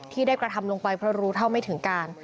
ที่ได้กระทำลงไปเพราะรู้เท่าไม่ถึงการ